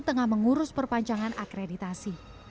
tengah mengurus perpanjangan akreditasi